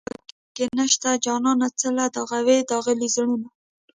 ځای د داغلو په کې نشته جانانه څله داغوې داغلي زړونه